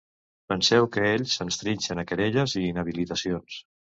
Penseu que ells ens trinxen a querelles i inhabilitacions.